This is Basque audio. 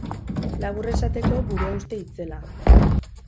Labur esateko, buruhauste itzela.